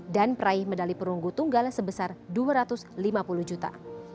dan peraih medali perunggu tunggal sebesar dua ratus lima puluh juta